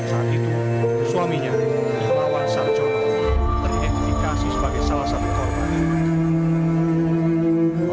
saat itu suaminya imawan sarjona terindikasi sebagai salah satu korban